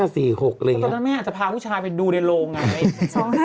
ตอนนั้นแม่อาจจะพาผู้ชายไปดูในโรงไง